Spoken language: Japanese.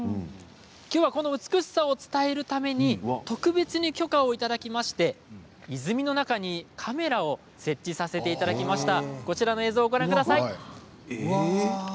今日は、この美しさを伝えるために特別に許可をいただきまして泉の中にカメラを設置させていただきました。